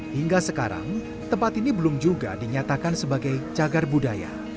hingga sekarang tempat ini belum juga dinyatakan sebagai cagar budaya